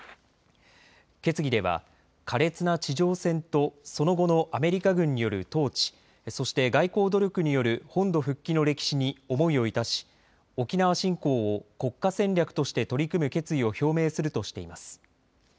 決議では、苛烈な地上戦とその後のアメリカ軍による統治、そして外交努力による本土復帰の歴史に思いをいたし、沖縄振興を国家戦略として取り組む決意を表明するとしています。